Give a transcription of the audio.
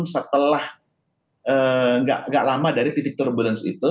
biasanya baru mau bangun setelah tidak lama dari titik turbulensi itu